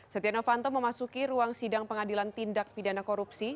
setia novanto memasuki ruang sidang pengadilan tindak pidana korupsi